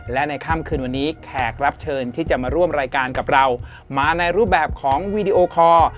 และในค่ำคืนวันนี้แขกรับเชิญที่จะมาร่วมรายการกับเรามาในรูปแบบของวีดีโอคอร์